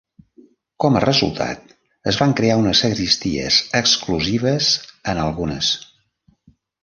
Com a resultat, es van crear unes sagristies exclusives en algunes.